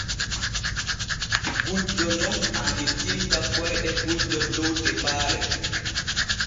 Gujjo nun annitinta koyɗe gujjo dow tepaare.